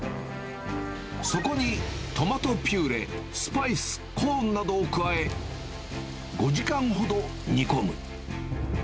そこにトマトピューレ、スパイス、コーンなどを加え、５時間ほど煮込む。